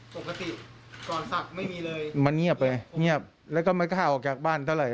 ปกติก่อนศักดิ์ไม่มีเลยมันเงียบไงเงียบแล้วก็ไม่กล้าออกจากบ้านเท่าไหร